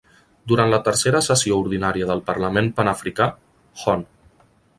Durant la tercera sessió ordinària del parlament panafricà, Hon.